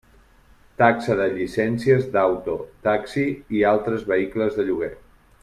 Taxa de llicències d'auto taxi i altres vehicles de lloguer.